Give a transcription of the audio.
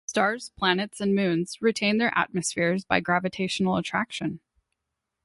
Stars, planets and moons retain their atmospheres by gravitational attraction.